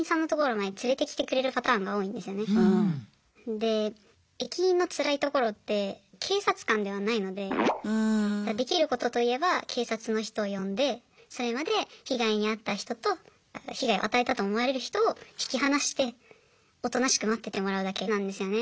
で駅員のつらいところって警察官ではないのでできることといえば警察の人を呼んでそれまで被害に遭った人と被害を与えたと思われる人を引き離しておとなしく待っててもらうだけなんですよね。